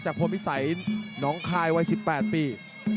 จากพวงพิสัยน้องคายวัย๑๘ปี